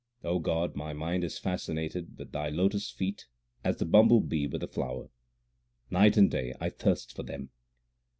O God, my mind is fascinated with Thy lotus feet as the bumble bee with the flower : night and day I thirst for them.